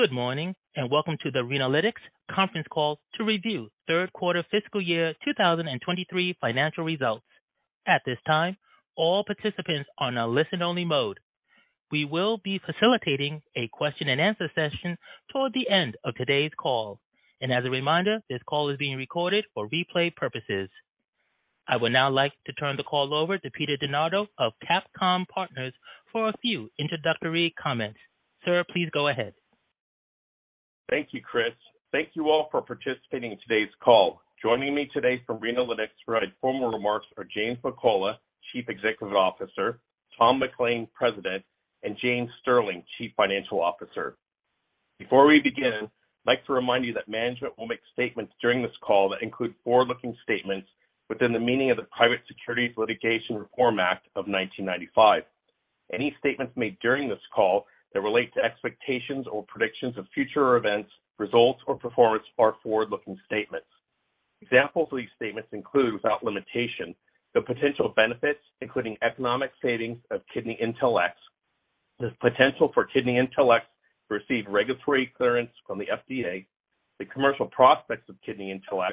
Good morning, welcome to the Renalytix conference call to review Q3 fiscal year 2023 financial results. At this time, all participants are on a listen-only mode. We will be facilitating a question-and-answer session toward the end of today's call. As a reminder, this call is being recorded for replay purposes. I would now like to turn the call over to Peter DeNardo of CapComm Partners for a few introductory comments. Sir, please go ahead. Thank you, Chris. Thank you all for participating in today's call. Joining me today from Renalytix to provide formal remarks are James McCullough, Chief Executive Officer, Tom McLain, President, and James Sterling, Chief Financial Officer. Before we begin, I'd like to remind you that management will make statements during this call that include forward-looking statements within the meaning of the Private Securities Litigation Reform Act of 1995. Any statements made during this call that relate to expectations or predictions of future events, results, or performance are forward-looking statements. Examples of these statements include, without limitation, the potential benefits, including economic savings of KidneyIntelX, the potential for KidneyIntelX to receive regulatory clearance from the FDA, the commercial prospects of KidneyIntelX,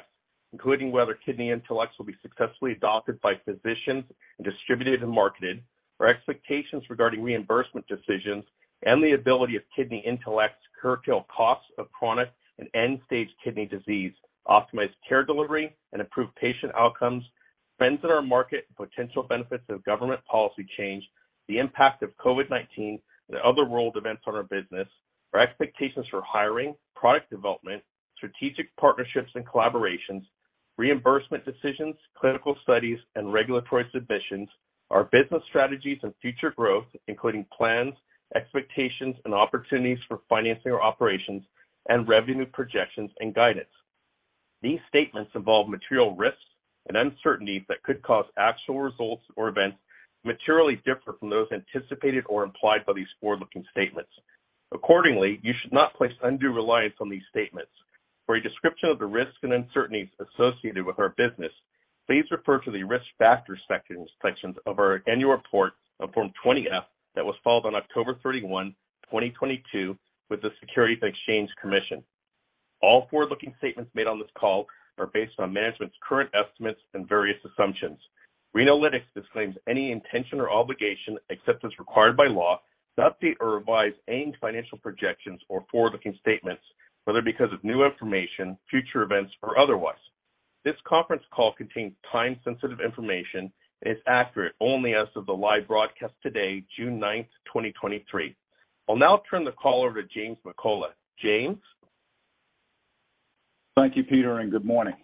including whether KidneyIntelX will be successfully adopted by physicians and distributed and marketed, our expectations regarding reimbursement decisions and the ability of KidneyIntelX to curtail costs of chronic and end-stage kidney disease, optimize care delivery, and improve patient outcomes, trends in our market, potential benefits of government policy change, the impact of COVID-19 and other world events on our business, our expectations for hiring, product development, strategic partnerships and collaborations, reimbursement decisions, clinical studies, and regulatory submissions, our business strategies and future growth, including plans, expectations, and opportunities for financing our operations and revenue projections and guidance. These statements involve material risks and uncertainties that could cause actual results or events to materially differ from those anticipated or implied by these forward-looking statements. Accordingly, you should not place undue reliance on these statements. For a description of the risks and uncertainties associated with our business, please refer to the Risk Factors sections of our annual report on Form 20-F that was filed on October 31, 2022, with the Securities and Exchange Commission. All forward-looking statements made on this call are based on management's current estimates and various assumptions. Renalytix disclaims any intention or obligation, except as required by law, to update or revise any financial projections or forward-looking statements, whether because of new information, future events, or otherwise. This conference call contains time-sensitive information and is accurate only as of the live broadcast today, June ninth, 2023. I'll now turn the call over to James McCullough. James? Thank you, Peter. Good morning.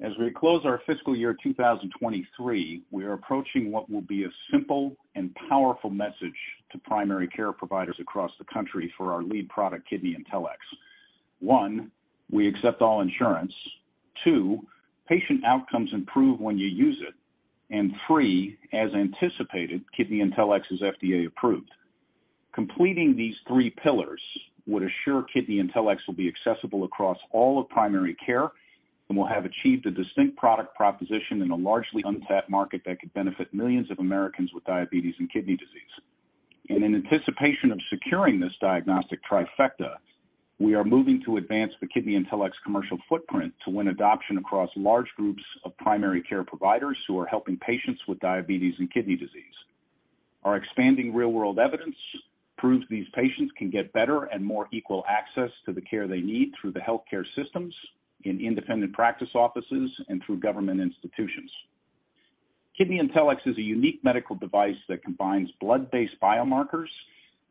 As we close our fiscal year 2023, we are approaching what will be a simple and powerful message to primary care providers across the country for our lead product, KidneyIntelX. One, we accept all insurance. Two, patient outcomes improve when you use it. Three, as anticipated, KidneyIntelX is FDA approved. Completing these three pillars would assure KidneyIntelX will be accessible across all of primary care and will have achieved a distinct product proposition in a largely untapped market that could benefit millions of Americans with diabetes and kidney disease. In anticipation of securing this diagnostic trifecta, we are moving to advance the KidneyIntelX commercial footprint to win adoption across large groups of primary care providers who are helping patients with diabetes and kidney disease. Our expanding real-world evidence proves these patients can get better and more equal access to the care they need through the healthcare systems, in independent practice offices, and through government institutions. KidneyIntelX is a unique medical device that combines blood-based biomarkers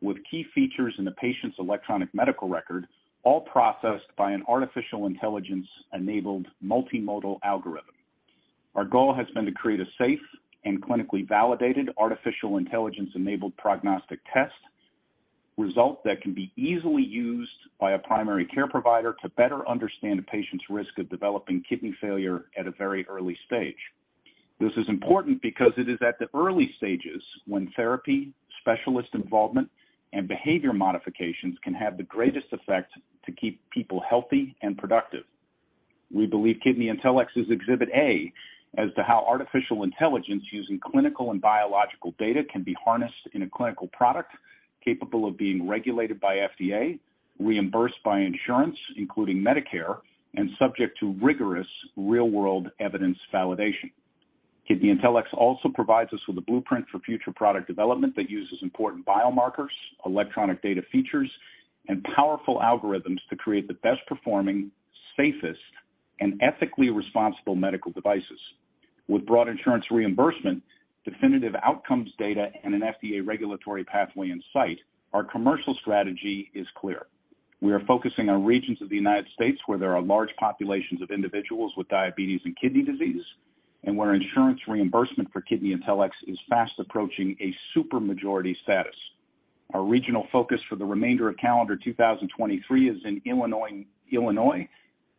with key features in the patient's electronic medical record, all processed by an artificial intelligence-enabled multimodal algorithm. Our goal has been to create a safe and clinically validated artificial intelligence-enabled prognostic test result that can be easily used by a primary care provider to better understand a patient's risk of developing kidney failure at a very early stage. This is important because it is at the early stages when therapy, specialist involvement, and behavior modifications can have the greatest effect to keep people healthy and productive. We believe KidneyIntelX is Exhibit A as to how artificial intelligence using clinical and biological data can be harnessed in a clinical product capable of being regulated by FDA, reimbursed by insurance, including Medicare, and subject to rigorous real-world evidence validation. KidneyIntelX also provides us with a blueprint for future product development that uses important biomarkers, electronic data features, and powerful algorithms to create the best performing, safest, and ethically responsible medical devices. With broad insurance reimbursement, definitive outcomes data, and an FDA regulatory pathway in sight, our commercial strategy is clear. We are focusing on regions of the United States where there are large populations of individuals with diabetes and kidney disease, and where insurance reimbursement for KidneyIntelX is fast approaching a supermajority status. Our regional focus for the remainder of calendar 2023 is in Illinois,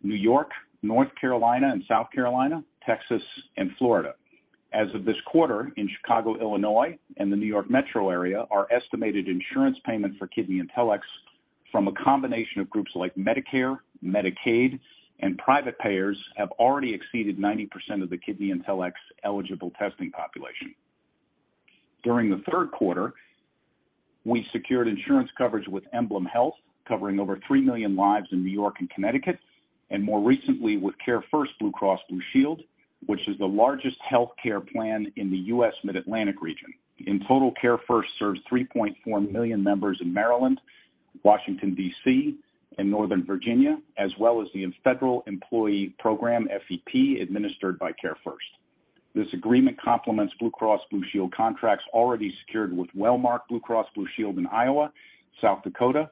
New York, North Carolina and South Carolina, Texas, and Florida. As of this quarter, in Chicago, Illinois, and the New York metro area, our estimated insurance payment for KidneyIntelX from a combination of groups like Medicare, Medicaid, and private payers have already exceeded 90% of the KidneyIntelX eligible testing population. During the Q3, we secured insurance coverage with EmblemHealth, covering over 3 million lives in New York and Connecticut, and more recently with CareFirst BlueCross BlueShield, which is the largest healthcare plan in the U.S. Mid-Atlantic region. In total, CareFirst serves 3.4 million members in Maryland, Washington, D.C., and Northern Virginia, as well as the Federal Employee Program, FEP, administered by CareFirst. This agreement complements Blue Cross Blue Shield contracts already secured with Wellmark Blue Cross Blue Shield in Iowa, South Dakota,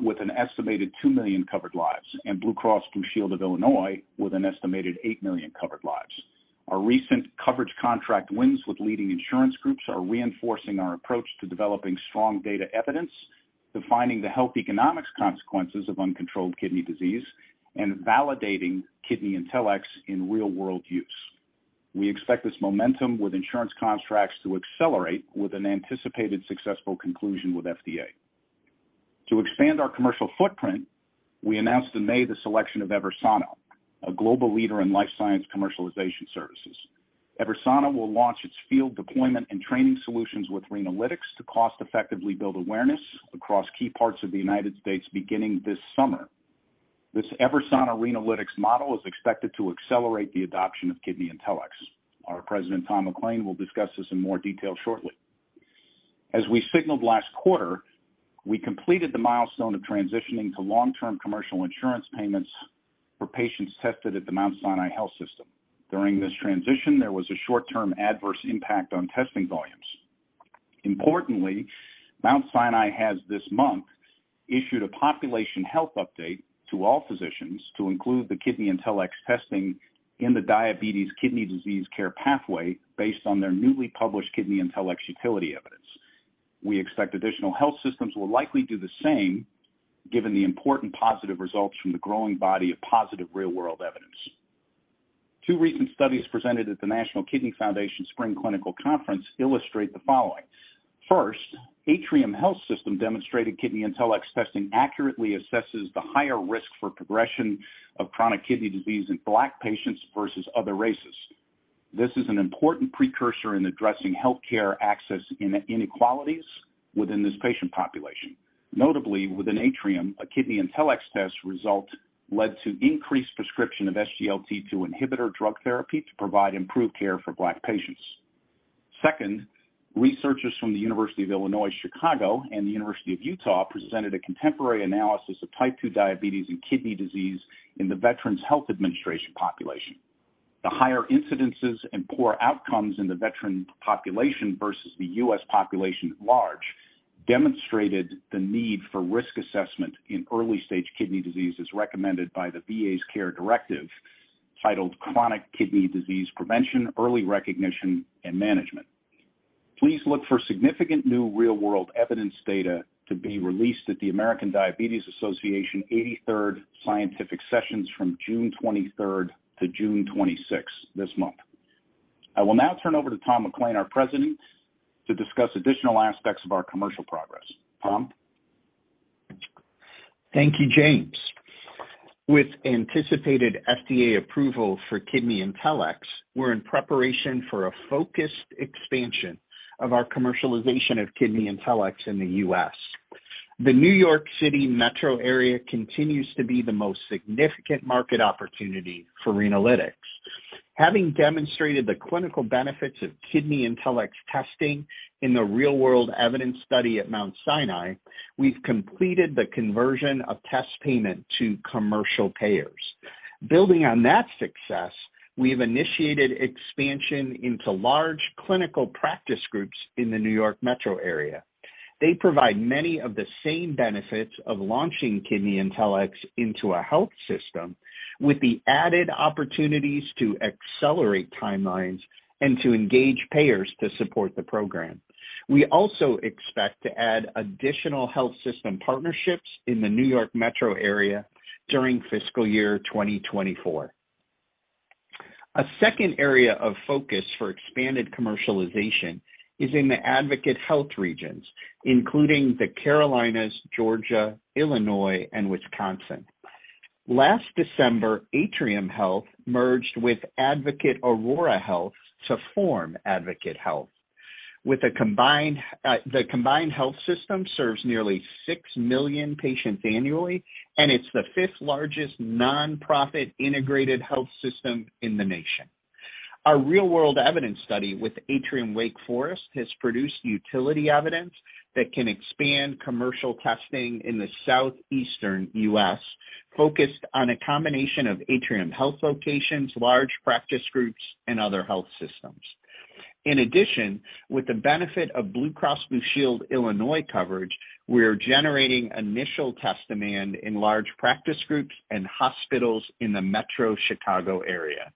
with an estimated 2 million covered lives, and Blue Cross Blue Shield of Illinois with an estimated 8 million covered lives. Our recent coverage contract wins with leading insurance groups are reinforcing our approach to developing strong data evidence, defining the health economics consequences of uncontrolled kidney disease, and validating KidneyIntelX in real-world use. We expect this momentum with insurance contracts to accelerate with an anticipated successful conclusion with FDA. To expand our commercial footprint, we announced in May the selection of EVERSANA, a global leader in life science commercialization services. EVERSANA will launch its field deployment and training solutions with Renalytix to cost-effectively build awareness across key parts of the United States beginning this summer. This EVERSANA Renalytix model is expected to accelerate the adoption of KidneyIntelX. Our president, Tom McLain, will discuss this in more detail shortly. As we signaled last quarter, we completed the milestone of transitioning to long-term commercial insurance payments for patients tested at the Mount Sinai Health System. During this transition, there was a short-term adverse impact on testing volumes. Importantly, Mount Sinai has this month issued a population health update to all physicians to include the KidneyIntelX testing in the diabetes kidney disease care pathway based on their newly published KidneyIntelX utility evidence. We expect additional health systems will likely do the same, given the important positive results from the growing body of positive real-world evidence. Two recent studies presented at the National Kidney Foundation Spring Clinical Meetings illustrate the following. Atrium Health demonstrated KidneyIntelX testing accurately assesses the higher risk for progression of chronic kidney disease in Black patients versus other races. This is an important precursor in addressing healthcare access in inequalities within this patient population. Within Atrium Health, a KidneyIntelX test result led to increased prescription of SGLT2 inhibitor drug therapy to provide improved care for Black patients. Researchers from the University of Illinois Chicago and the University of Utah presented a contemporary analysis of type two diabetes and kidney disease in the Veterans Health Administration population. The higher incidences and poor outcomes in the veteran population versus the U.S. population at large demonstrated the need for risk assessment in early-stage kidney disease, as recommended by the VA's care directive titled Chronic Kidney Disease Prevention, Early Recognition, and Management. Please look for significant new real-world evidence data to be released at the American Diabetes Association 83rd Scientific Sessions from June 23rd to June 26th this month. I will now turn over to Tom McLain, our President, to discuss additional aspects of our commercial progress. Tom? Thank you, James. With anticipated FDA approval for KidneyIntelX, we're in preparation for a focused expansion of our commercialization of KidneyIntelX in the U.S. The New York City metro area continues to be the most significant market opportunity for Renalytix. Having demonstrated the clinical benefits of KidneyIntelX testing in the real-world evidence study at Mount Sinai, we've completed the conversion of test payment to commercial payers. Building on that success, we have initiated expansion into large clinical practice groups in the New York metro area. They provide many of the same benefits of launching KidneyIntelX into a health system, with the added opportunities to accelerate timelines and to engage payers to support the program. We also expect to add additional health system partnerships in the New York metro area during fiscal year 2024. A second area of focus for expanded commercialization is in the Advocate Health regions, including the Carolinas, Georgia, Illinois, and Wisconsin. Last December, Atrium Health merged with Advocate Aurora Health to form Advocate Health. With a combined, the combined health system serves nearly 6 million patients annually, and it's the fifth largest nonprofit integrated health system in the nation. Our real-world evidence study with Atrium Wake Forest has produced utility evidence that can expand commercial testing in the Southeastern U.S., focused on a combination of Atrium Health locations, large practice groups, and other health systems. In addition, with the benefit of Blue Cross Blue Shield Illinois coverage, we are generating initial test demand in large practice groups and hospitals in the metro Chicago area.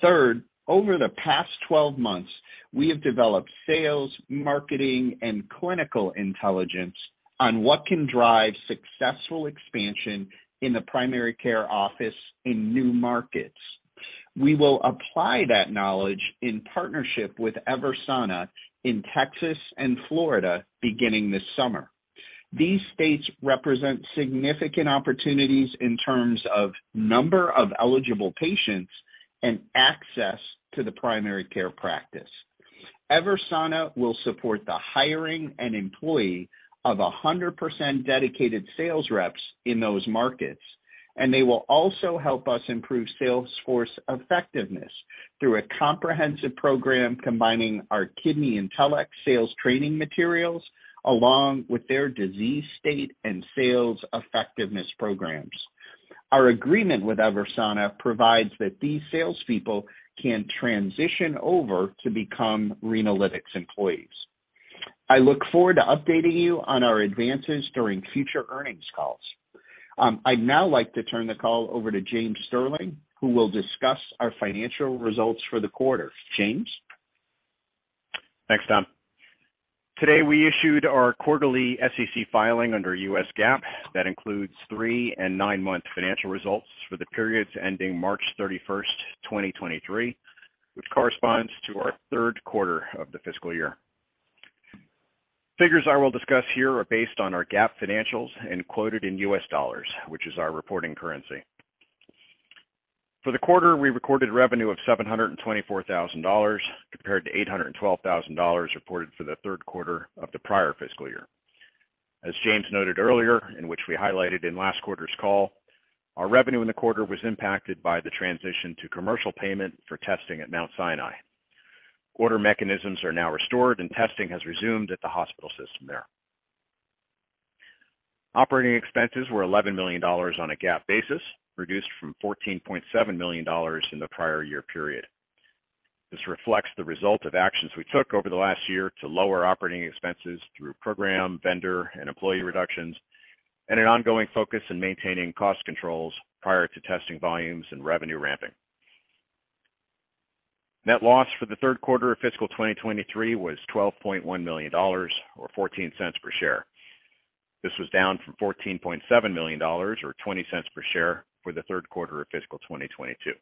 Third, over the past 12 months, we have developed sales, marketing, and clinical intelligence on what can drive successful expansion in the primary care office in new markets. We will apply that knowledge in partnership with EVERSANA in Texas and Florida beginning this summer. These states represent significant opportunities in terms of number of eligible patients and access to the primary care practice. EVERSANA will support the hiring and employee of 100% dedicated sales reps in those markets, they will also help us improve sales force effectiveness through a comprehensive program combining our KidneyIntelX sales training materials, along with their disease state and sales effectiveness programs. Our agreement with EVERSANA provides that these salespeople can transition over to become Renalytix employees. I look forward to updating you on our advances during future earnings calls. I'd now like to turn the call over to James Sterling, who will discuss our financial results for the quarter. James? Thanks, Tom. Today, we issued our quarterly SEC filing under US GAAP. That includes three and nine-month financial results for the periods ending March 31st, 2023, which corresponds to our Q3 of the fiscal year. Figures I will discuss here are based on our GAAP financials and quoted in US dollars, which is our reporting currency. For the quarter, we recorded revenue of $724,000, compared to $812,000 reported for the Q3 of the prior fiscal year. As James noted earlier, in which we highlighted in last quarter's call, our revenue in the quarter was impacted by the transition to commercial payment for testing at Mount Sinai. Order mechanisms are now restored, and testing has resumed at the hospital system there. Operating expenses were $11 million on a GAAP basis, reduced from $14.7 million in the prior year period. This reflects the result of actions we took over the last year to lower operating expenses through program, vendor, and employee reductions, and an ongoing focus in maintaining cost controls prior to testing volumes and revenue ramping. Net loss for the Q3 of fiscal 2023 was $12.1 million, or $0.14 per share. This was down from $14.7 million, or $0.20 per share, for the Q3 of fiscal 2022.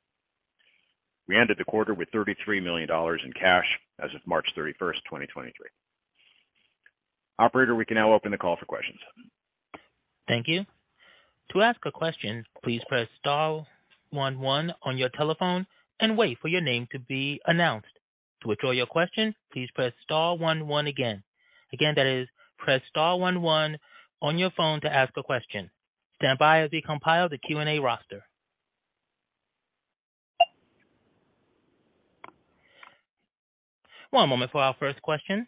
We ended the quarter with $33 million in cash as of March 31, 2023. Operator, we can now open the call for questions. Thank you. To ask a question, please press star one on your telephone and wait for your name to be announced. To withdraw your question, please press star one again. That is press star one on your phone to ask a question. Stand by as we compile the Q&A roster. One moment for our first question.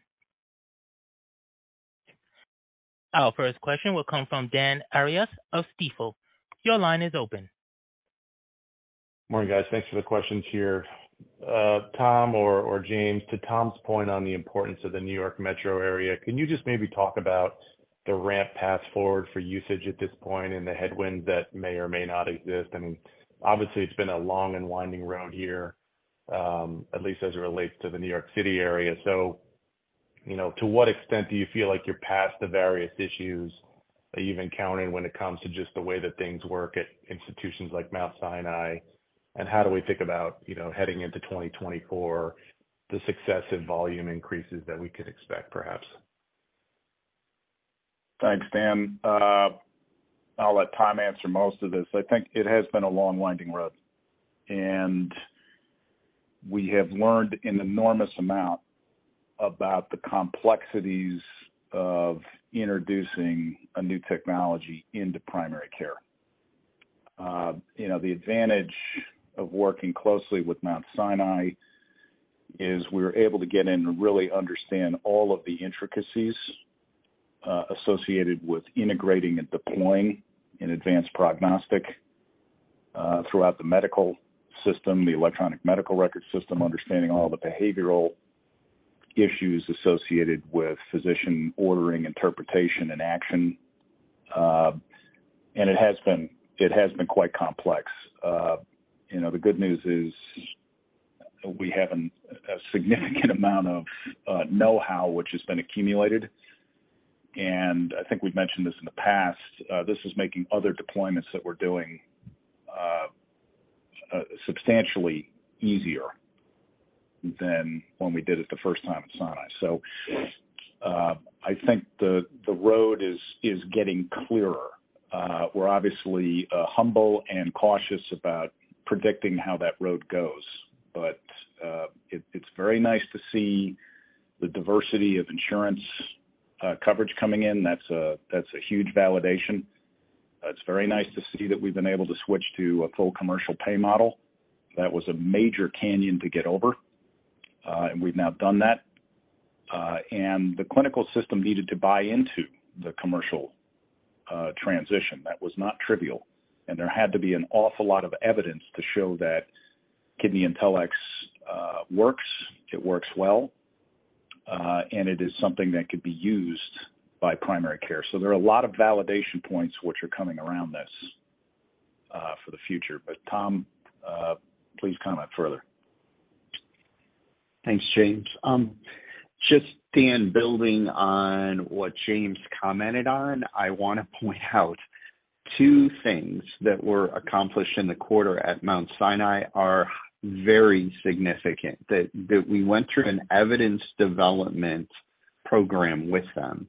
Our first question will come from Dan Arias of Stifel. Your line is open. Morning, guys. Thanks for the questions here. Tom or James, to Tom's point on the importance of the New York metro area, can you just maybe talk about the ramp path forward for usage at this point and the headwinds that may or may not exist? I mean, obviously, it's been a long and winding road here, at least as it relates to the New York City area. To what extent do you feel like you're past the various issues that you've encountered when it comes to just the way that things work at institutions like Mount Sinai? How do we think about heading into 2024, the success and volume increases that we could expect, perhaps? Thanks, Dan. I'll let Tom answer most of this. I think it has been a long, winding road, and we have learned an enormous amount about the complexities of introducing a new technology into primary care. You know, the advantage of working closely with Mount Sinai is we're able to get in and really understand all of the intricacies associated with integrating and deploying an advanced prognostic throughout the medical system, the electronic medical record system, understanding all the behavioral issues associated with physician ordering, interpretation, and action. It has been quite complex. you know, the good news is we have a significant amount of know-how which has been accumulated, I think we've mentioned this in the past, this is making other deployments that we're doing substantially easier than when we did it the first time at Sinai. I think the road is getting clearer. We're obviously humble and cautious about predicting how that road goes, but it's very nice to see the diversity of insurance coverage coming in. That's a huge validation. It's very nice to see that we've been able to switch to a full commercial pay model. That was a major canyon to get over, we've now done that. The clinical system needed to buy into the commercial transition. That was not trivial. There had to be an awful lot of evidence to show that KidneyIntelX works, it works well, and it is something that could be used by primary care. There are a lot of validation points which are coming around this, for the future. Tom, please comment further. Thanks, James. just Dan, building on what James commented on, I want to point out-... two things that were accomplished in the quarter at Mount Sinai are very significant, that we went through an evidence development program with them.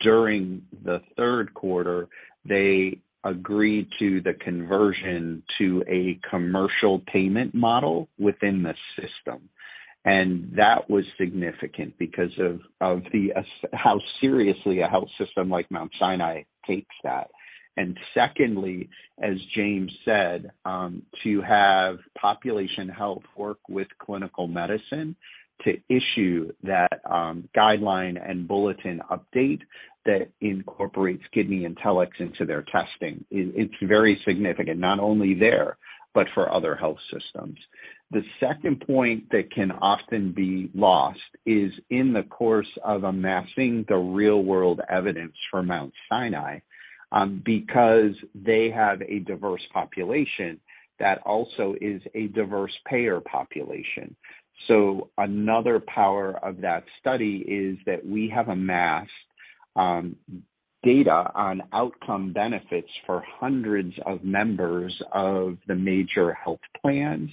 During the Q3, they agreed to the conversion to a commercial payment model within the system. That was significant because of the es- how seriously a health system like Mount Sinai takes that. Secondly, as James said, to have population health work with clinical medicine to issue that guideline and bulletin update that incorporates KidneyIntelX into their testing, it's very significant, not only there, but for other health systems. The second point that can often be lost is in the course of amassing the real-world evidence for Mount Sinai, because they have a diverse population that also is a diverse payer population. Another power of that study is that we have amassed data on outcome benefits for hundreds of members of the major health plans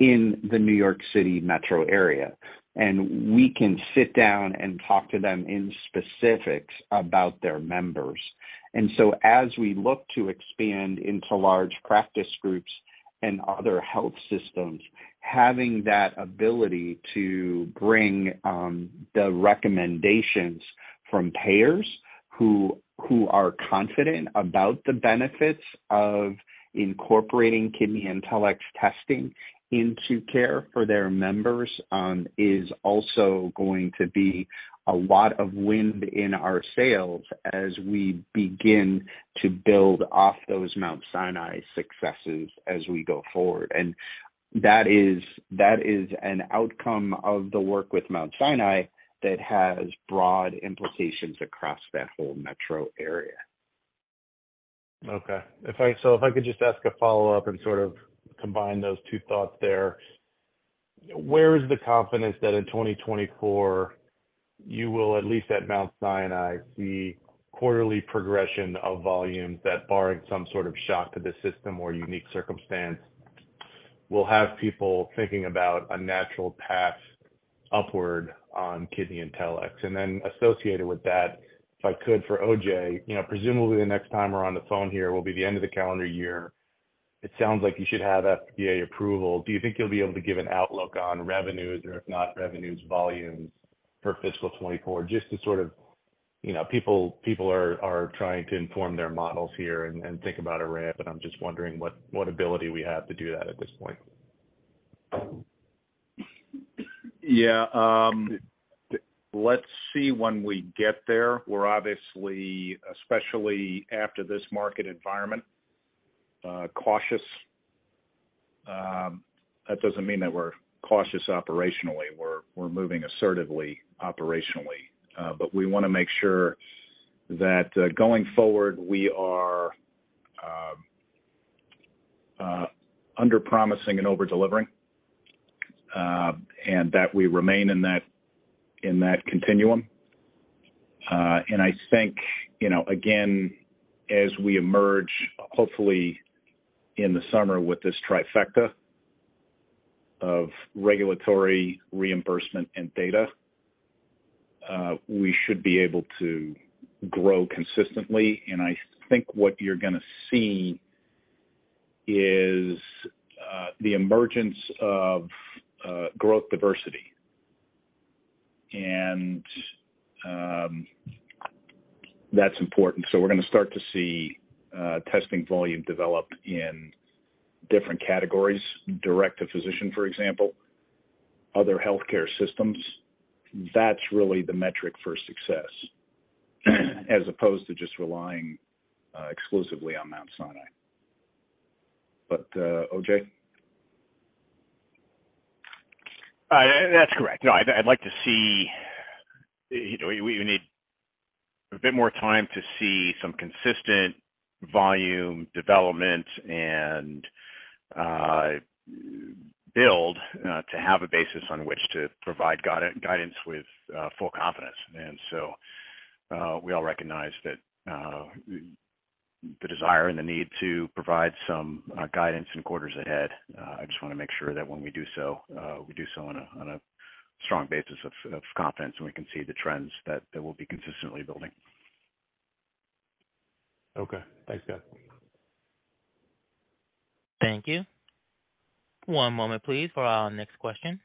in the New York City metro area. We can sit down and talk to them in specifics about their members. As we look to expand into large practice groups and other health systems, having that ability to bring the recommendations from payers who are confident about the benefits of incorporating KidneyIntelX's testing into care for their members, is also going to be a lot of wind in our sails as we begin to build off those Mount Sinai successes as we go forward. That is an outcome of the work with Mount Sinai that has broad implications across that whole metro area. Okay. If I could just ask a follow-up and sort of combine those two thoughts there. Where is the confidence that in 2024, you will, at least at Mount Sinai, see quarterly progression of volumes that, barring some sort of shock to the system or unique circumstance, will have people thinking about a natural path upward on KidneyIntelX? Associated with that, if I could, for OJ, you know, presumably the next time we're on the phone here will be the end of the calendar year. It sounds like you should have FDA approval. Do you think you'll be able to give an outlook on revenues, or if not revenues, volumes for fiscal 24? Just to sort of, you know, people are trying to inform their models here and think about a ramp, and I'm just wondering what ability we have to do that at this point. Yeah, let's see when we get there. We're obviously, especially after this market environment, cautious. That doesn't mean that we're cautious operationally. We're moving assertively, operationally. We wanna make sure that going forward, we are under-promising and over-delivering, and that we remain in that, in that continuum. I think, you know, again, as we emerge, hopefully in the summer with this trifecta of regulatory reimbursement and data, we should be able to grow consistently. I think what you're gonna see is the emergence of growth diversity. That's important. We're gonna start to see testing volume develop in different categories, direct-to-physician, for example, other healthcare systems. That's really the metric for success, as opposed to just relying exclusively on Mount Sinai. OJ? like to see, you know, we need a bit more time to see some consistent volume development and build to have a basis on which to provide guidance with full confidence. We all recognize the desire and the need to provide some guidance in quarters ahead. I just want to make sure that when we do so, we do so on a strong basis of confidence, and we can see the trends that we'll be consistently building Okay. Thanks, guys. Thank you. One moment, please, for our next question.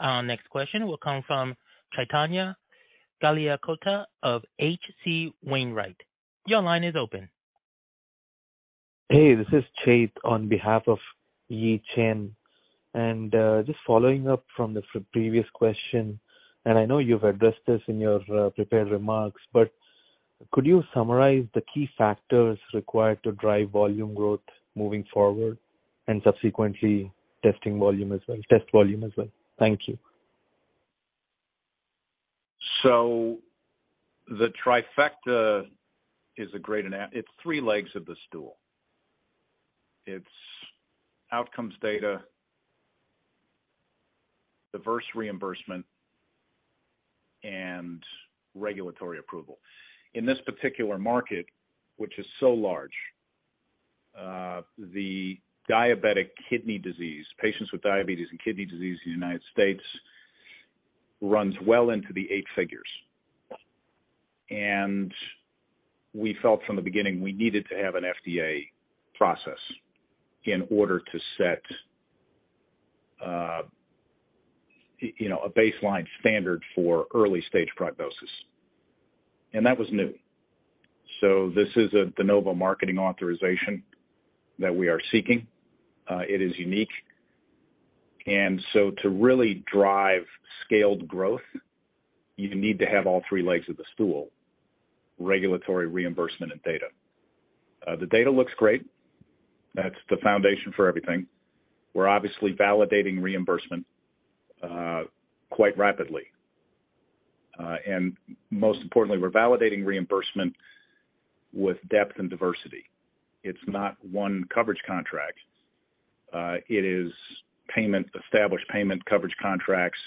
Our next question will come from Chaitanya G of H.C. Wainwright. Your line is open. Hey, this is Chait on behalf of Yi Chen. Just following up from the previous question, and I know you've addressed this in your prepared remarks, but could you summarize the key factors required to drive volume growth moving forward and subsequently test volume as well? Thank you. The trifecta it's three legs of the stool. It's outcomes data, diverse reimbursement, and regulatory approval. In this particular market, which is so large, the diabetic kidney disease, patients with diabetes and kidney disease in the United States, runs well into the eight figures. We felt from the beginning, we needed to have an FDA process in order to set, you know, a baseline standard for early-stage prognosis. That was new. This is a De Novo marketing authorization that we are seeking. It is unique. To really drive scaled growth, you need to have all three legs of the stool: regulatory, reimbursement, and data. The data looks great. That's the foundation for everything. We're obviously validating reimbursement quite rapidly. And most importantly, we're validating reimbursement with depth and diversity. It's not one coverage contract. It is payment, established payment coverage contracts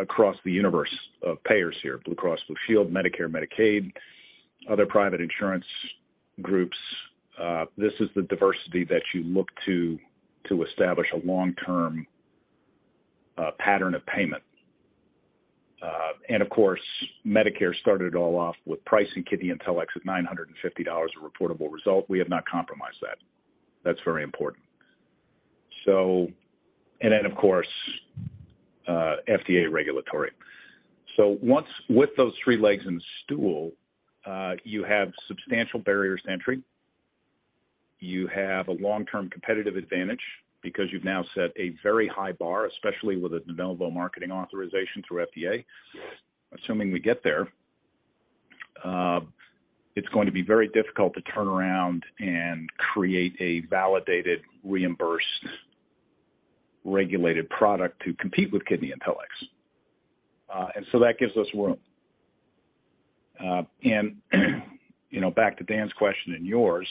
across the universe of payers here, Blue Cross Blue Shield, Medicare, Medicaid, other private insurance groups. This is the diversity that you look to establish a long-term pattern of payment. Of course, Medicare started it all off with pricing KidneyIntelX at $950 a reportable result. We have not compromised that. That's very important. Of course, FDA regulatory. Once with those three legs in the stool, you have substantial barriers to entry. You have a long-term competitive advantage because you've now set a very high bar, especially with a De Novo marketing authorization through FDA. Assuming we get there, it's going to be very difficult to turn around and create a validated, reimbursed, regulated product to compete with KidneyIntelX. That gives us room. You know, back to Dan's question and yours,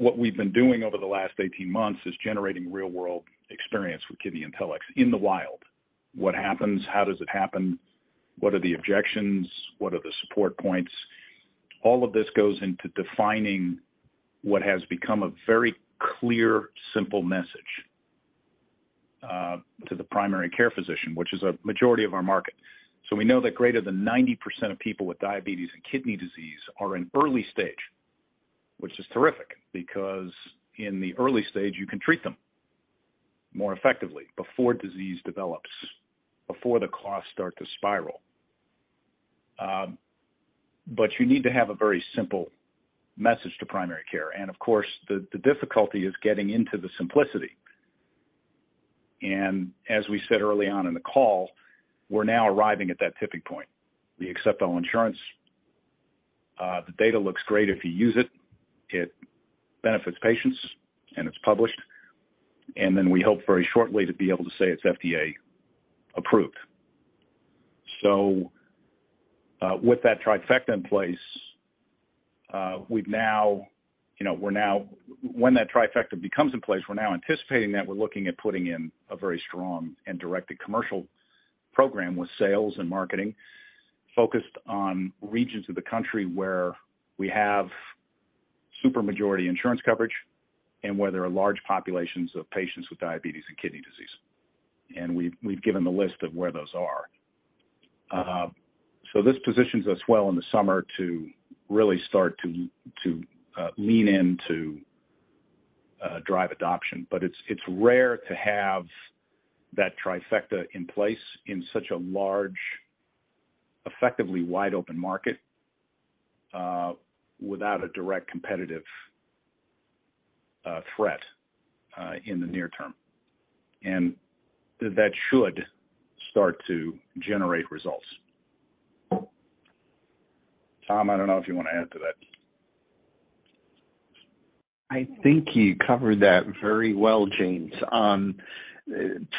what we've been doing over the last 18 months is generating real-world experience with KidneyIntelX in the wild. What happens? How does it happen? What are the objections? What are the support points? All of this goes into defining what has become a very clear, simple message to the primary care physician, which is a majority of our market. We know that greater than 90% of people with diabetes and kidney disease are in early stage, which is terrific, because in the early stage, you can treat them more effectively before disease develops, before the costs start to spiral. You need to have a very simple message to primary care. Of course, the difficulty is getting into the simplicity. As we said early on in the call, we're now arriving at that tipping point. We accept all insurance. The data looks great if you use it. It benefits patients, and it's published. We hope very shortly to be able to say it's FDA approved. With that trifecta in place, we've now, you know, When that trifecta becomes in place, we're now anticipating that we're looking at putting in a very strong and directed commercial program with sales and marketing, focused on regions of the country where we have super majority insurance coverage and where there are large populations of patients with diabetes and kidney disease. We've given the list of where those are. This positions us well in the summer to really start to lean in to drive adoption, but it's rare to have that trifecta in place in such a large, effectively wide-open market, without a direct competitive threat in the near term. That should start to generate results. Tom, I don't know if you want to add to that. I think you covered that very well, James.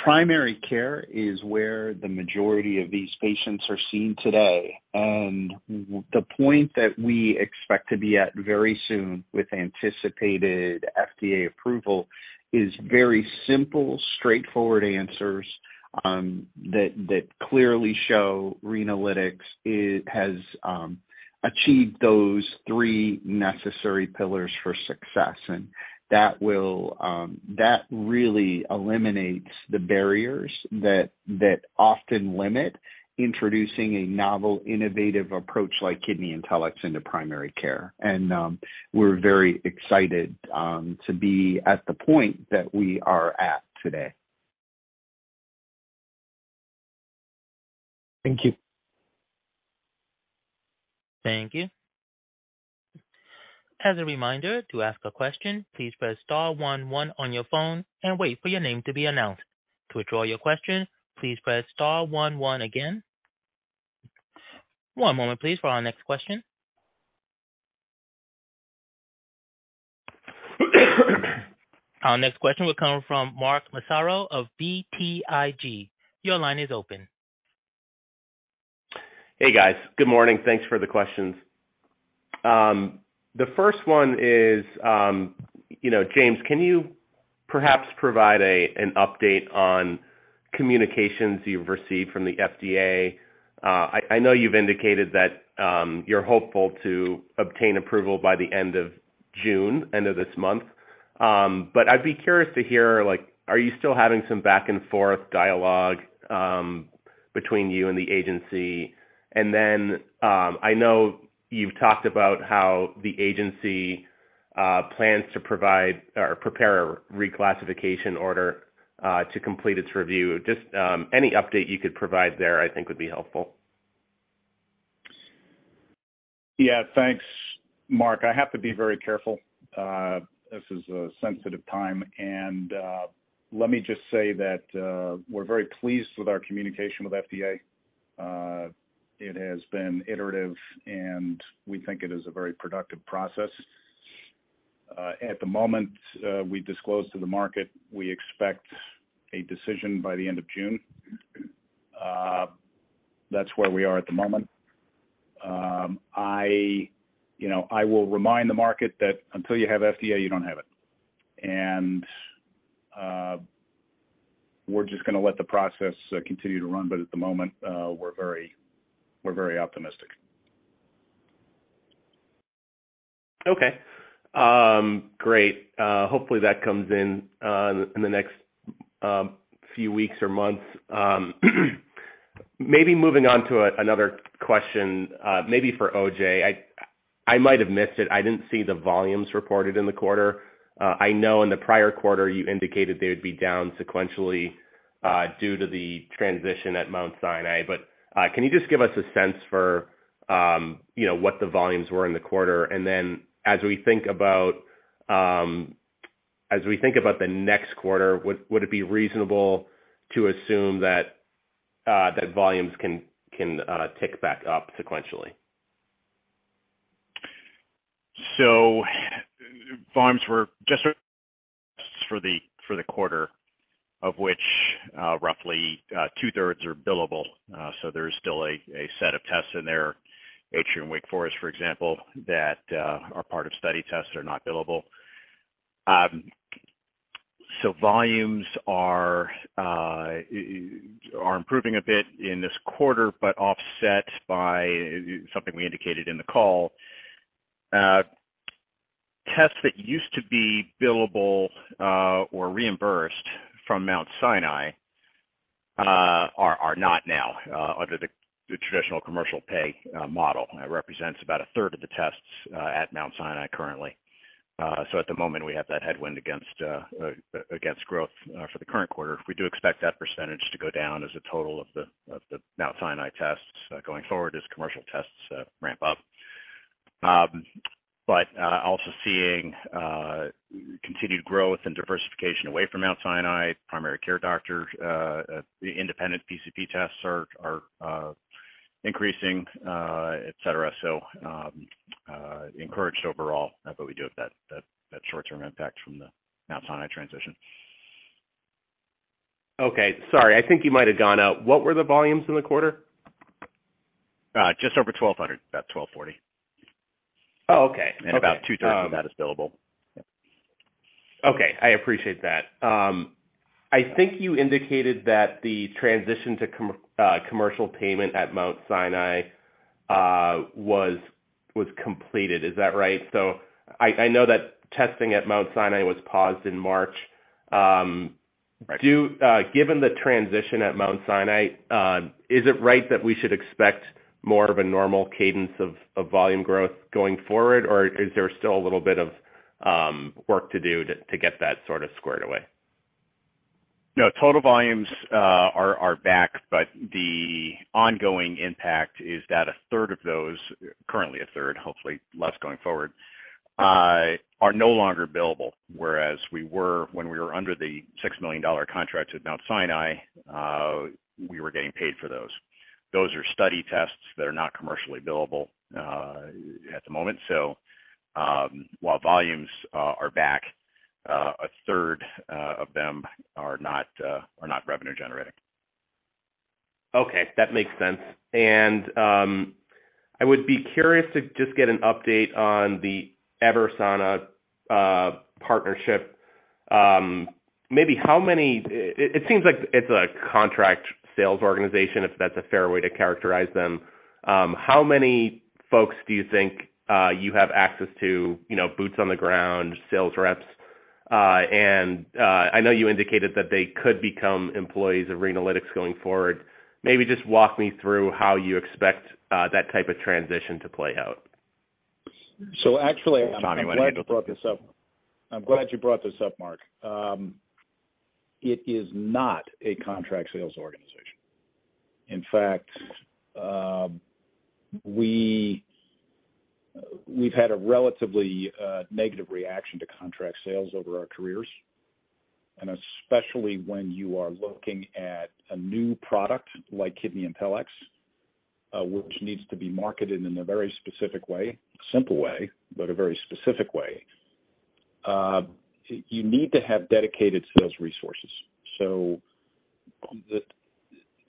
primary care is where the majority of these patients are seen today, the point that we expect to be at very soon with anticipated FDA approval is very simple, straightforward answers, that clearly show Renalytix it has achieved those three necessary pillars for success. That really eliminates the barriers that often limit introducing a novel, innovative approach like KidneyIntelX into primary care. We're very excited to be at the point that we are at today. Thank you. Thank you. As a reminder, to ask a question, please press star one one on your phone and wait for your name to be announced. To withdraw your question, please press star one one again. One moment, please, for our next question. Our next question will come from Mark Massaro of BTIG. Your line is open. Hey, guys. Good morning. Thanks for the questions. The first one is, you know, James, can you perhaps provide an update on communications you've received from the FDA? I know you've indicated that you're hopeful to obtain approval by the end of June, end of this month. I'd be curious to hear, like, are you still having some back-and-forth dialogue between you and the agency? Then, I know you've talked about how the agency plans to provide or prepare a reclassification order to complete its review. Just any update you could provide there, I think, would be helpful. Yeah, thanks, Mark. I have to be very careful. This is a sensitive time, and, let me just say that, we're very pleased with our communication with FDA. It has been iterative, and we think it is a very productive process. At the moment, we disclosed to the market, we expect a decision by the end of June. That's where we are at the moment. I, you know, I will remind the market that until you have FDA, you don't have it. We're just gonna let the process continue to run, but at the moment, we're very optimistic. Okay. Great. Hopefully, that comes in in the next few weeks or months. Maybe moving on to another question, maybe for OJ. I might have missed it. I didn't see the volumes reported in the quarter. I know in the prior quarter you indicated they would be down sequentially due to the transition at Mount Sinai. Can you just give us a sense for, you know, what the volumes were in the quarter? As we think about, as we think about the next quarter, would it be reasonable to assume that volumes can tick back up sequentially? Volumes were just for the quarter, of which, roughly, two-thirds are billable. There is still a set of tests in there, Atrium Wake Forest, for example, that are part of study tests are not billable. Volumes are improving a bit in this quarter, but offset by something we indicated in the call. Tests that used to be billable, or reimbursed from Mount Sinai, are not now under the traditional commercial pay model. That represents about a third of the tests at Mount Sinai currently. At the moment, we have that headwind against growth for the current quarter. We do expect that percentage to go down as a total of the, of the Mount Sinai tests, going forward as commercial tests, ramp up. Also seeing continued growth and diversification away from Mount Sinai, primary care doctors, the independent PCP tests are increasing, et cetera. Encouraged overall, but we do have that short-term impact from the Mount Sinai transition. Okay. Sorry, I think you might have gone out. What were the volumes in the quarter? just over 1,200 about 1,240. Oh, okay. about two-thirds of that is billable. Okay, I appreciate that. I think you indicated that the transition to commercial payment at Mount Sinai was completed. Is that right? I know that testing at Mount Sinai was paused in March. Right. Do given the transition at Mount Sinai, is it right that we should expect more of a normal cadence of volume growth going forward, or is there still a little bit of work to do to get that sort of squared away? No, total volumes are back. The ongoing impact is that a third of those, currently a third, hopefully less going forward, are no longer billable, whereas we were when we were under the $6 million contract with Mount Sinai, we were getting paid for those. Those are study tests that are not commercially billable at the moment. While volumes are back, a third of them are not revenue generating. Okay. That makes sense. I would be curious to just get an update on the EVERSANA partnership. Maybe it seems like it's a contract sales organization, if that's a fair way to characterize them. How many folks do you think you have access to, you know, boots-on-the-ground, sales reps? I know I indicated that they could become employees of Renalytix going forward. Maybe just walk me through how you expect that type of transition to play out. Actually, I'm glad you brought this up. I'm glad you brought this up, Mark. It is not a contract sales organization. In fact, we've had a relatively negative reaction to contract sales over our careers, and especially when you are looking at a new product like KidneyIntelX, which needs to be marketed in a very specific way, a simple way, but a very specific way, you need to have dedicated sales resources. The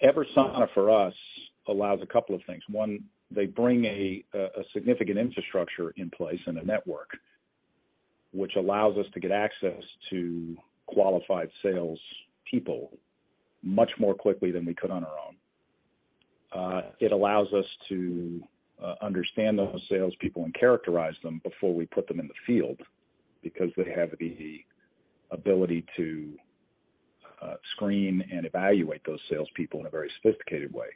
EVERSANA, for us, allows a couple of things. One, they bring a significant infrastructure in place and a network, which allows us to get access to qualified salespeople much more quickly than we could on our own. It allows us to understand those salespeople and characterize them before we put them in the field, because they have the ability to screen and evaluate those salespeople in a very sophisticated way.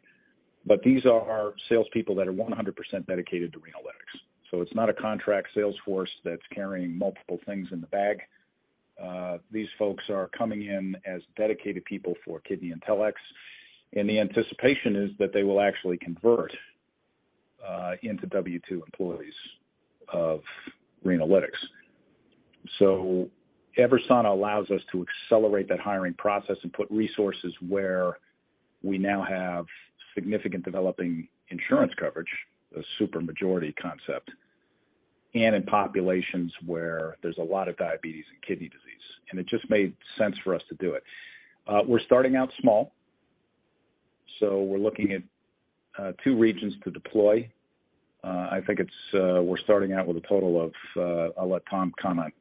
These are salespeople that are 100% dedicated to Renalytix. It's not a contract sales force that's carrying multiple things in the bag. These folks are coming in as dedicated people for KidneyIntelX, and the anticipation is that they will actually convert into W-2 employees of Renalytix. Eversana allows us to accelerate that hiring process and put resources where we now have significant developing insurance coverage, a super majority concept, and in populations where there's a lot of diabetes and kidney disease, and it just made sense for us to do it. We're starting out small, so we're looking at two regions to deploy. I think it's, we're starting out with a total of, I'll let Tom comment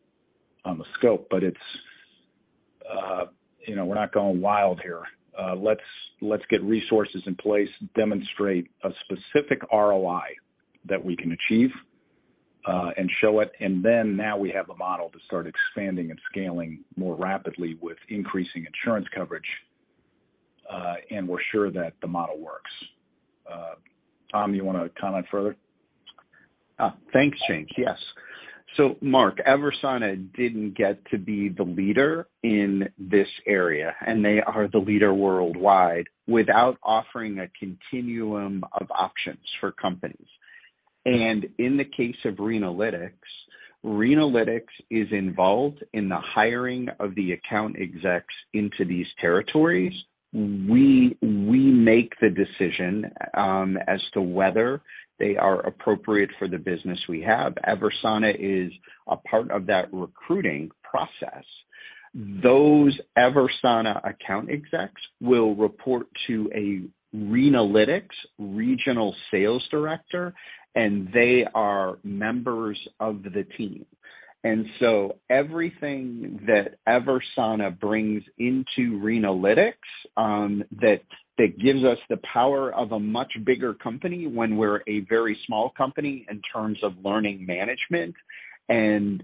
on the scope, but it's, you know, we're not going wild here. Let's get resources in place, demonstrate a specific ROI that we can achieve, and show it, and then now we have a model to start expanding and scaling more rapidly with increasing insurance coverage, and we're sure that the model works. Tom, you want to comment further? Thanks, James. Yes. Mark, Eversana didn't get to be the leader in this area, and they are the leader worldwide without offering a continuum of options for companies. In the case of Renalytix is involved in the hiring of the account execs into these territories. We make the decision as to whether they are appropriate for the business we have. Eversana is a part of that recruiting process. Those Eversana account execs will report to a Renalytix regional sales director, and they are members of the team. Everything that EVERSANA brings into Renalytix, that gives us the power of a much bigger company when we're a very small company in terms of learning management and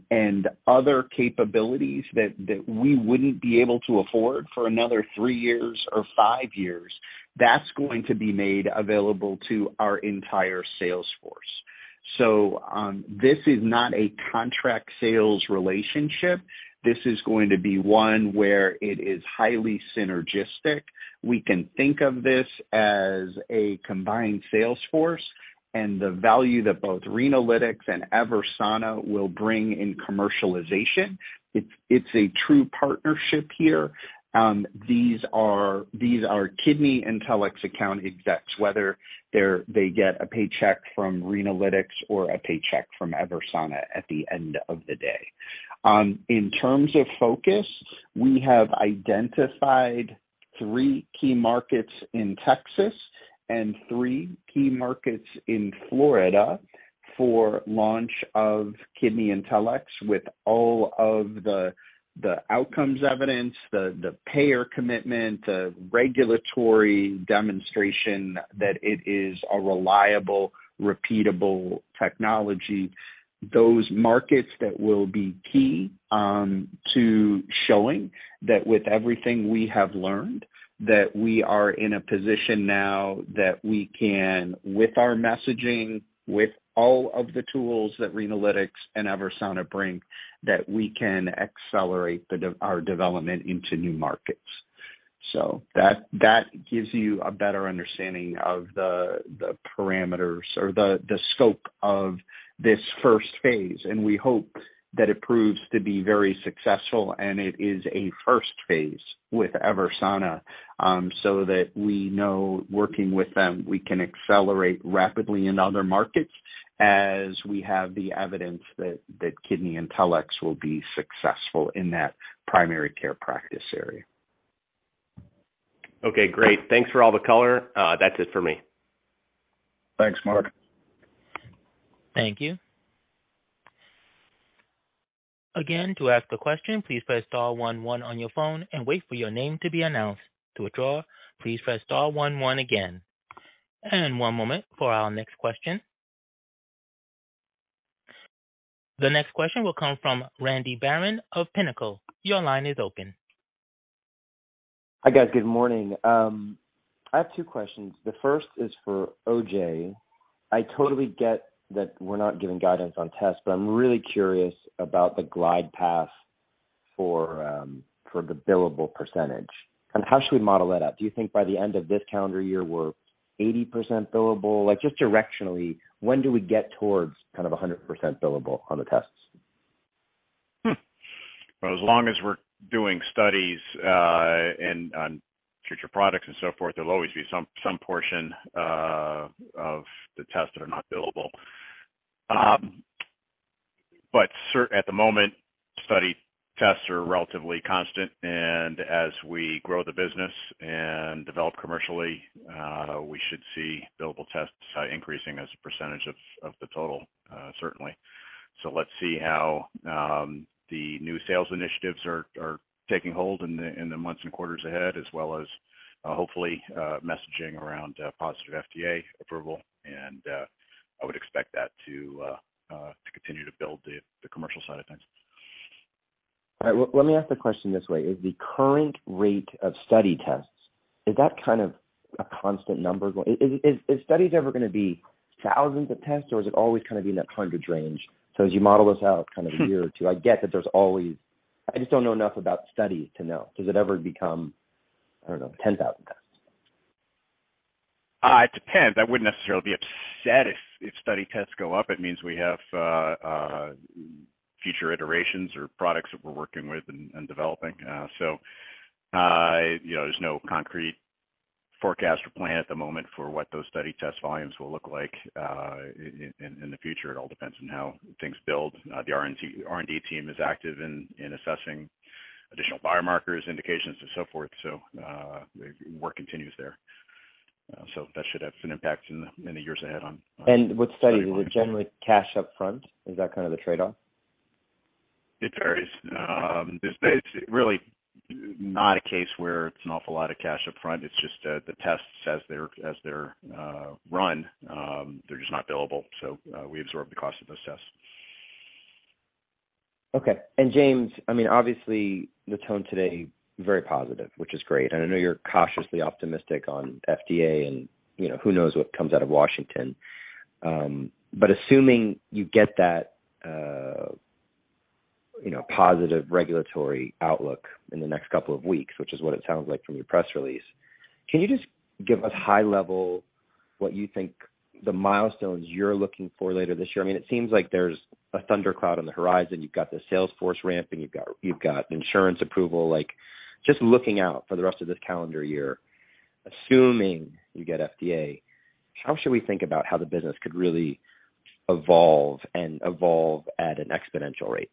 other capabilities that we wouldn't be able to afford for another three years or five years, that's going to be made available to our entire sales force. This is not a contract sales relationship. This is going to be one where it is highly synergistic. We can think of this as a combined sales force and the value that both Renalytix and EVERSANA will bring in commercialization. It's a true partnership here. These are KidneyIntelX account execs, whether they get a paycheck from Renalytix or a paycheck from EVERSANA at the end of the day. In terms of focus, we have identified three key markets in Texas and three key markets in Florida for launch of KidneyIntelX with all of the outcomes evidence, the payer commitment, the regulatory demonstration that it is a reliable, repeatable technology. Those markets that will be key to showing that with everything we have learned, that we are in a position now that we can, with our messaging, with all of the tools that Renalytix and EVERSANA bring, that we can accelerate our development into new markets. That gives you a better understanding of the parameters or the scope of this phase I, and we hope that it proves to be very successful. It is a phase I with Eversana, so that we know working with them, we can accelerate rapidly in other markets as we have the evidence that KidneyIntelX will be successful in that primary care practice area. Okay, great. Thanks for all the color. That's it for me. Thanks, Mark. Thank you. Again, to ask a question, please press star one one on your phone and wait for your name to be announced. To withdraw, please press star one one again. One moment for our next question. The next question will come from Randy Baron of Pinnacle. Your line is open. Hi, guys. Good morning. I have two questions. The first is for OJ. I totally get that we're not giving guidance on tests, but I'm really curious about the glide path for the billable percentage, and how should we model that out? Do you think by the end of this calendar year, we're 80% billable? Just directionally, when do we get towards 100% billable on the tests? As long as we're doing studies and on future products and so forth, there'll always be some portion of the tests that are not billable. At the moment, study tests are relatively constant, and as we grow the business and develop commercially, we should see billable tests increasing as a percentage of the total, certainly. Let's see how the new sales initiatives are taking hold in the months and quarters ahead, as well as hopefully messaging around positive FDA approval. I would expect that to continue to build the commercial side of things. All right. Well, let me ask the question this way: is the current rate of study tests, is that kind of a constant number? Is studies ever gonna be thousands of tests, or is it always gonna be in that hundreds range? As you model this out kind of a year or two, I get that there's always. I just don't know enough about studies to know. Does it ever become, I don't know, 10,000 tests? It depends. I wouldn't necessarily be upset if study tests go up. It means we have future iterations or products that we're working with and developing. You know, there's no concrete forecast or plan at the moment for what those study test volumes will look like in the future. It all depends on how things build. The R&D team is active in assessing additional biomarkers, indications, and so forth. The work continues there. That should have an impact in the years ahead on. With studies, is it generally cash up front? Is that kind of the trade-off? It varies. It's really not a case where it's an awful lot of cash up front. It's just that the tests, as they're run, they're just not billable. We absorb the cost of those tests. Okay. James, I mean, obviously, the tone today, very positive, which is great, and I know you're cautiously optimistic on FDA and, you know, who knows what comes out of Washington. Assuming you get that, you know, positive regulatory outlook in the next couple of weeks, which is what it sounds like from your press release, can you just give us high-level, what you think the milestones you're looking for later this year? I mean, it seems like there's a thundercloud on the horizon. You've got the salesforce ramping, you've got insurance approval. Like, just looking out for the rest of this calendar year, assuming you get FDA, how should we think about how the business could really evolve and evolve at an exponential rate?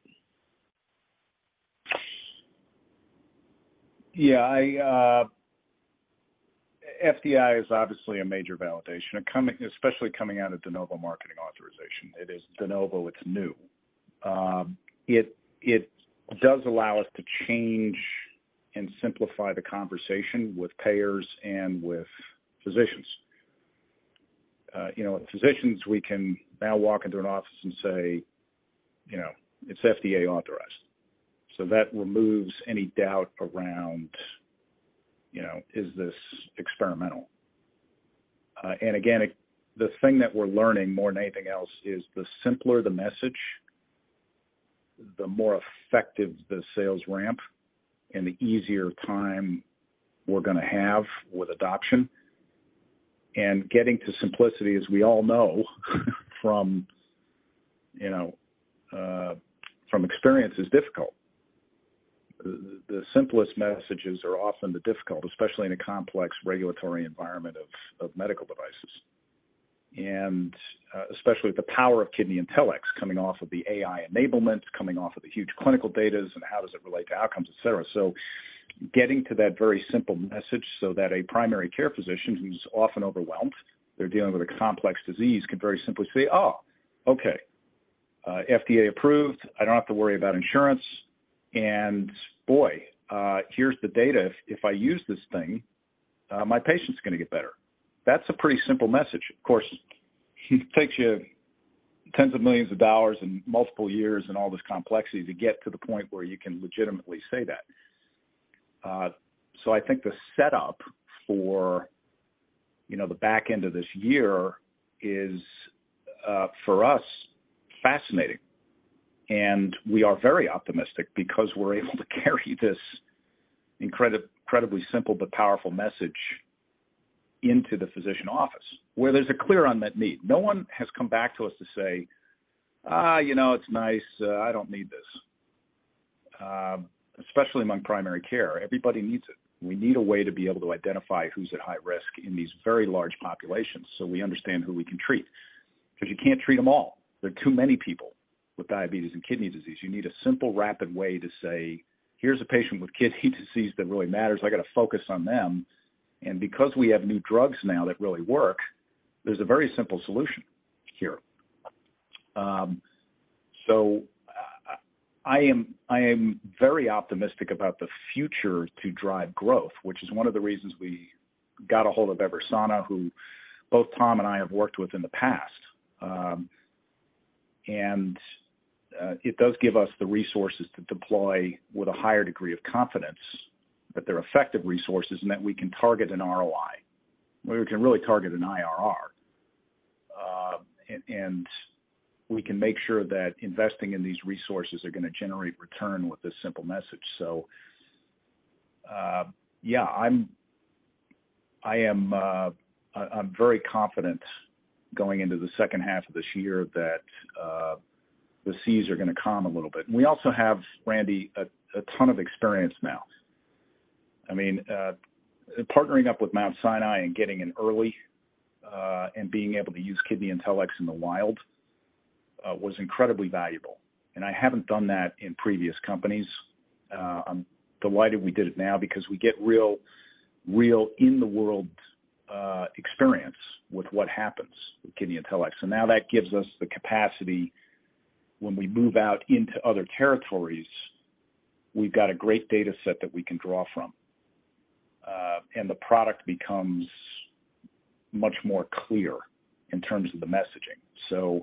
Yeah, I, FDA is obviously a major validation, especially coming out of De Novo marketing authorization. It is De Novo, it's new. It does allow us to change and simplify the conversation with payers and with physicians. You know, with physicians, we can now walk into an office and say, "You know, it's FDA authorized." That removes any doubt around, you know, is this experimental? Again, the thing that we're learning more than anything else is the simpler the message, the more effective the sales ramp and the easier time we're gonna have with adoption. Getting to simplicity, as we all know, from, you know, from experience, is difficult. The simplest messages are often the difficult, especially in a complex regulatory environment of medical devices. Especially with the power of KidneyIntelX coming off of the AI enablement, coming off of the huge clinical datas, and how does it relate to outcomes, et cetera. Getting to that very simple message so that a primary care physician, who's often overwhelmed, they're dealing with a complex disease, can very simply say, "Oh, okay, FDA approved. I don't have to worry about insurance, and boy, here's the data. If I use this thing, my patient's gonna get better." That's a pretty simple message. Of course, it takes you tens of millions of dollars and multiple years and all this complexity to get to the point where you can legitimately say that. I think the setup for, you know, the back end of this year is, for us, fascinating, and we are very optimistic because we're able to carry this incredibly simple but powerful message into the physician office, where there's a clear unmet need. No one has come back to us to say, "you know, it's nice. I don't need this." Especially among primary care, everybody needs it. We need a way to be able to identify who's at high risk in these very large populations, so we understand who we can treat. Because you can't treat them all. There are too many people with diabetes and kidney disease. You need a simple, rapid way to say, "Here's a patient with kidney disease that really matters. I got to focus on them." Because we have new drugs now that really work, there's a very simple solution here. I am very optimistic about the future to drive growth, which is one of the reasons we got a hold of EVERSANA, who both Tom and I have worked with in the past. It does give us the resources to deploy with a higher degree of confidence that they're effective resources and that we can target an ROI, where we can really target an IRR. We can make sure that investing in these resources are gonna generate return with this simple message. Yeah, I'm very confident going into the H2 of this year that the seas are gonna calm a little bit. We also have, Randy, a ton of experience now. I mean, partnering up with Mount Sinai and getting in early, and being able to use KidneyIntelX in the wild, was incredibly valuable, and I haven't done that in previous companies. I'm delighted we did it now because we get real in the world experience with what happens with KidneyIntelX. Now that gives us the capacity when we move out into other territories, we've got a great data set that we can draw from, and the product becomes much more clear in terms of the messaging.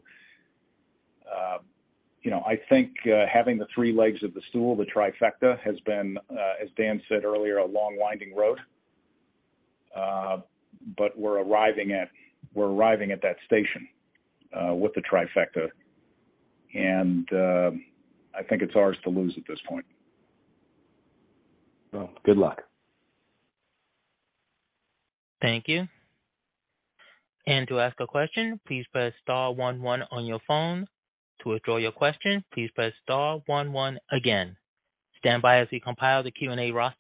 You know, I think, having the three legs of the stool, the trifecta, has been, as Dan said earlier, a long, winding road. We're arriving at that station, with the trifecta, and I think it's ours to lose at this point. Well, good luck. Thank you. To ask a question, please press star one one on your phone. To withdraw your question, please press star one one again. Stand by as we compile the Q&A roster.